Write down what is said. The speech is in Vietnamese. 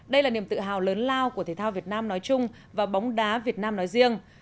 đây là niềm tự hào lớn lao của thể thao việt nam nói chung và bóng đá việt nam nói riêng